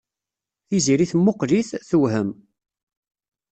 Tiziri temmuqqel-it, tewhem.